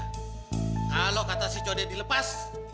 kalau kata si code dilepas